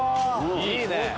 いいね。